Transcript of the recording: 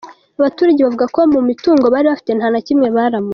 Abaturage bavuga ko mu mitungo bari bafite nta na kimwe baramuye.